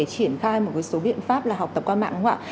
triển khai một số biện pháp là học tập qua mạng đúng không ạ